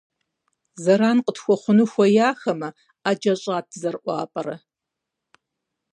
– Зэран къытхуэхъуну хуеяхэмэ, Ӏэджэ щӀат дызэрыӀуапӀэрэ.